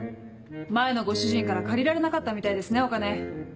前のご主人から借りられなかったみたいですねお金。